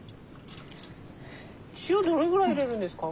塩どれぐらい入れるんですか？